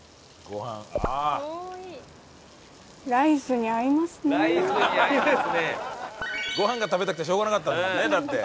ご飯が食べたくてしょうがなかったんだもんねだって。